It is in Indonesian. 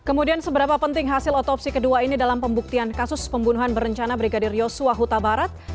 kemudian seberapa penting hasil otopsi kedua ini dalam pembuktian kasus pembunuhan berencana brigadir yosua huta barat